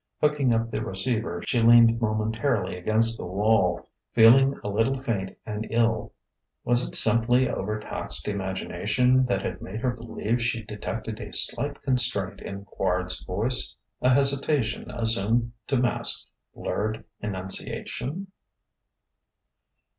Hooking up the receiver, she leaned momentarily against the wall, feeling a little faint and ill. Was it simply overtaxed imagination that had made her believe she detected a slight constraint in Quard's voice a hesitation assumed to mask blurred enunciation?